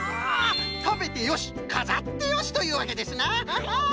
たべてよしかざってよしというわけですなアハハ！